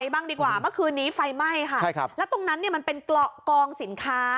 บ้างดีกว่าเมื่อคืนนี้ไฟไหม้ค่ะใช่ครับแล้วตรงนั้นเนี่ยมันเป็นเกาะกองสินค้า